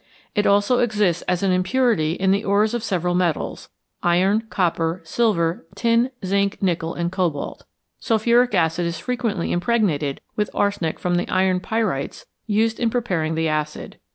It also exists as an impurity in the ores of several metals iron, copper, silver, tin, zinc, nickel, and cobalt. Sulphuric acid is frequently impregnated with arsenic from the iron pyrites used in preparing the acid.